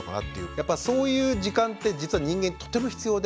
やっぱそういう時間って実は人間とても必要で。